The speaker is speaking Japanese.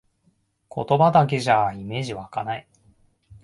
言葉だけじゃイメージわかない